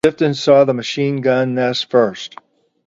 Sifton saw the machine gun nest first.